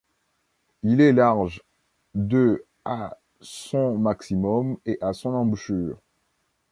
Il est large de à son maximum et à son embouchure.